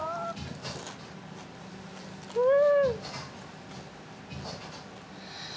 うん！